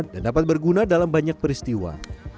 dan dapat berguna dalam banyak peristiwa